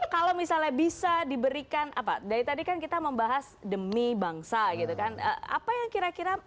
kalau misalnya bisa diberikan apa dari tadi kan kita membahas demi bangsa gitu kan apa yang kira kira